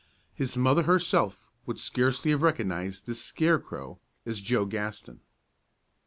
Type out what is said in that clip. His mother herself would scarcely have recognized this scarecrow as Joe Gaston.